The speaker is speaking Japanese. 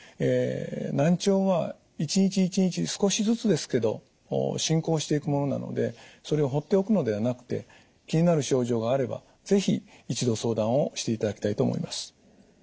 難聴は一日一日少しずつですけど進行していくものなのでそれを放っておくのではなくて気になる症状があれば是非一度相談をしていただきたいと思います。